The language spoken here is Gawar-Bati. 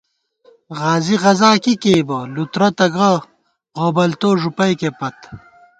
غازی غزاکی کېئیبہ لُترہ تہ گہ غوبلتو ݫُپَئیکےپت